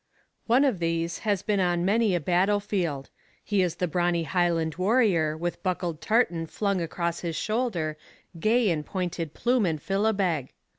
One of these has been on many a battlefield. He is the brawny Highland warrior, with buckled tartan flung across his shoulder, gay in pointed plume and filibeg.